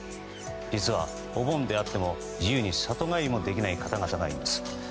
実はお盆であっても、自由に里帰りもできない方々がいます。